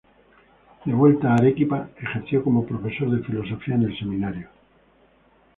De vuelta en Arequipa, ejerció como profesor de Filosofía en el Seminario.